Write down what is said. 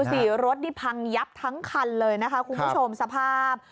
สิรถนี่พังยับทั้งคันเลยนะคะคุณผู้ชมสภาพ